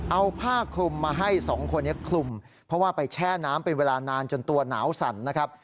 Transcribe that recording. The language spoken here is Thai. เอาผ้าคลุมมาให้สองคนนี้คลุมเพราะว่าไปแช่น้ำเป็นเวลานานจนตัวหนาวสั่นนะครับ